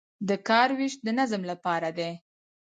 د کار ویش د نظم لپاره دی